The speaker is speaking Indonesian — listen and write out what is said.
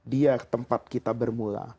dia tempat kita bermula